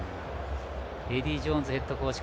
エディー・ジョーンズヘッドコーチ